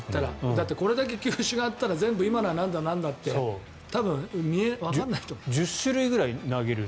だって、これだけ球種があったら全部今のはなんだ、なんだって１０種類ぐらい投げる。